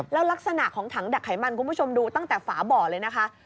แล้วลักษณะของถังดักไขมันคุณผู้ชมดูตั้งแต่ฝาบ่อเลยนะคะ